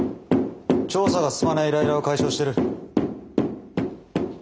調査が進まないイライラを解消してる。